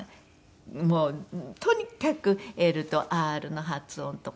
もうとにかく「Ｌ」と「Ｒ」の発音とか。